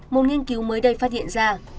một nghiên cứu mới đây phát hiện ra